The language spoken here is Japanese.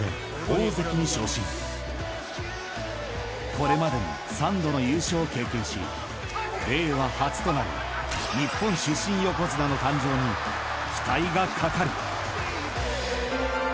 ［これまでに３度の優勝を経験し令和初となる日本出身横綱の誕生に期待がかかる］